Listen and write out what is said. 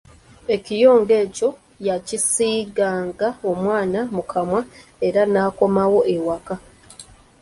Ekiyonga ekyo yakisiiganga omwana mu kamwa era n’akomawo ewaka.